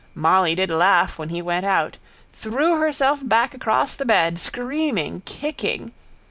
Molly did laugh when he went out. Threw herself back across the bed, screaming, kicking.